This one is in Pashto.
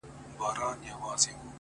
د هجرت غوټه تړمه روانېږم،